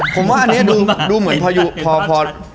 ผมนั่งว่าดูอย่างนั้น